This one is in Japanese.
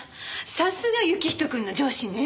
さすが行人くんの上司ね。